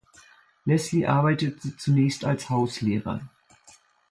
Leslie arbeitete zunächst als Hauslehrer.